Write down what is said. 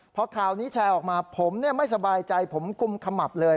พอข่าวนี้แชร์ออกมาผมไม่สบายใจผมกุมขมับเลย